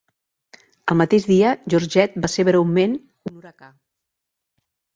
El mateix dia Georgette va ser breument un huracà.